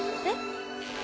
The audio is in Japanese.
えっ？